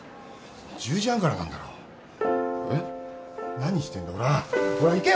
１０時半からなんだろ何してんだよ